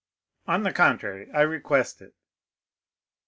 "On the contrary, I request it."